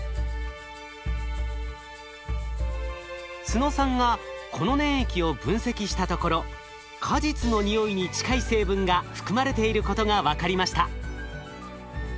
都野さんがこの粘液を分析したところ果実の匂いに近い成分が含まれていることが分かりました。